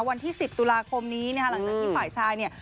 วันที่๑๐ตุลาคมนี้หลังจากที่ฝ่ายชาย